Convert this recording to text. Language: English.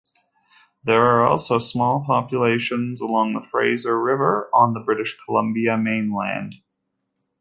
There are also small populations along the Fraser River on the British Columbia mainland.